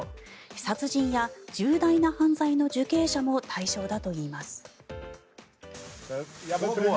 殺人や重大な犯罪の受刑者も対象だといいます。